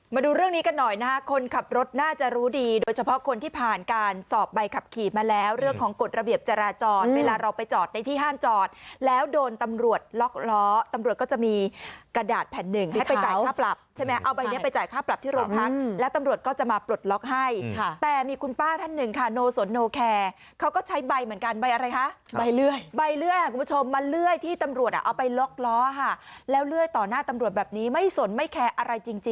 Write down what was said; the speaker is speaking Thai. มาดูเรื่องนี้กันหน่อยนะฮะคนขับรถน่าจะรู้ดีโดยเฉพาะคนที่ผ่านการสอบใบขับขี่มาแล้วเรื่องของกฎระเบียบจราจอดเวลาเราไปจอดในที่ห้ามจอดแล้วโดนตำรวจล็อกล้อตำรวจก็จะมีกระดาษแผ่นหนึ่งให้ไปจ่ายค่าปรับใช่ไหมเอาใบนี้ไปจ่ายค่าปรับที่รถพักแล้วตำรวจก็จะมาปลดล็อกให้แต่มีคุณป้าท่านหนึ่งค่ะ